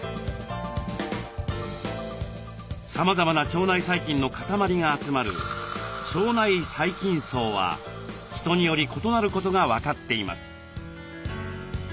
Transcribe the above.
さまざまな腸内細菌の固まりが集まる「腸内細菌叢」は人により異なることが分かっています。